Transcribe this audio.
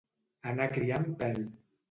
Anar criant pèl.